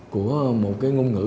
của một cái ngôn ngữ